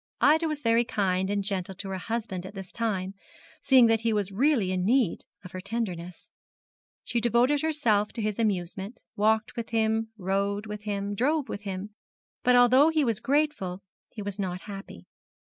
Ida was very kind and gentle to her husband at this time, seeing that he was really in need of her tenderness. She devoted herself to his amusement, walked with him, rode with him, drove with him; but although he was grateful, he was not happy.